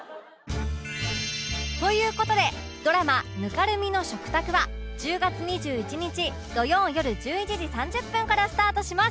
という事でドラマ『泥濘の食卓』は１０月２１日土曜よる１１時３０分からスタートします！